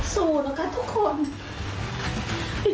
สู้นะค่ะทุกคน